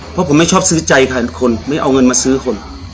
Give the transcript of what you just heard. เพราะผมไม่ชอบซื้อใจใครทุกคนไม่เอาเงินมาซื้อคน